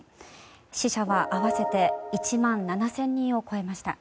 死者は合わせて１万７０００人を超えました。